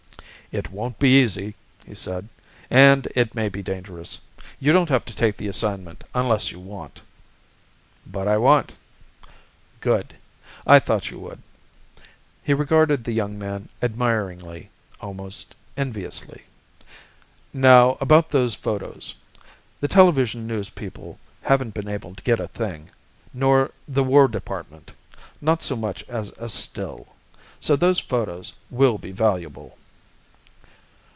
"It won't be easy," he said. "And it may be dangerous. You don't have to take the assignment unless you want." "But I want." "Good! I thought you would." He regarded the younger man admiringly, almost enviously. "Now, about those photos. The Television News people haven't been able to get a thing, nor the War Department not so much as a still. So those photos will be valuable."